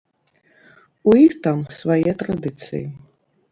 У іх там свае традыцыі.